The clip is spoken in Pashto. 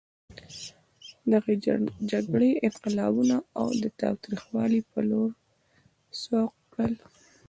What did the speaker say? دغې جګړې انقلابیون د تاوتریخوالي په لور سوق کړل.